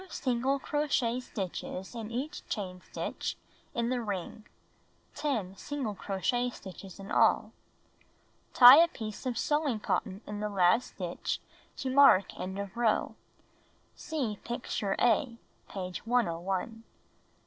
Put 2 single crochet stitches in each chain stitch in the ring (10 single crochet stitches in all). Tie a piece of sewing cotton in the last stitch to mark end of row. (See picture A, page 101.) Note.